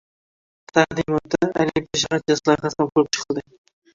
Taqdimotda Olimpiya shaharchasi loyihasi ham ko‘rib chiqildi